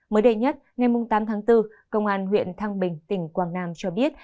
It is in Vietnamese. mới đây nhất ngày tám tháng bốn công an huyện thăng bình tỉnh quảng nam cho biết